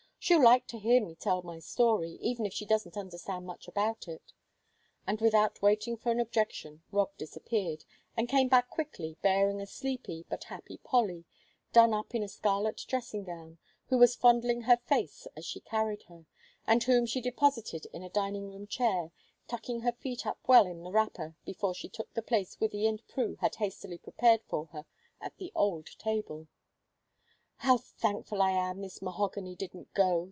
She'll like to hear me tell my story, even if she doesn't understand much about it." And without waiting for an objection Rob disappeared, and came back quickly, bearing a sleepy but happy Polly done up in a scarlet dressing gown, who was fondling her face as she carried her, and whom she deposited in a dining room chair, tucking her feet up well in the wrapper before she took the place Wythie and Prue had hastily prepared for her at the old table. "How thankful I am this mahogany didn't go!"